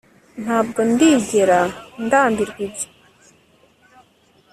Ntabwo ndigera ndambirwa ibyo